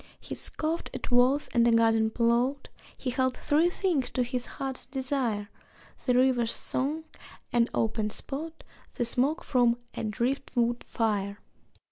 He scoffed at walls and a garden plot; He held three things to his heart's desire: The river's song, an open spot, The smoke from a driftwood fire.